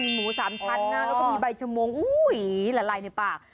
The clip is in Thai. หรือสามชั้นนะแล้วก็มีใบฉมวงโอ้ยหลายในปาก